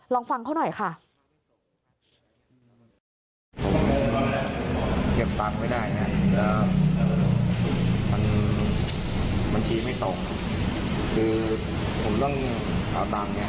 ลองฟังเขาหน่อยค่ะ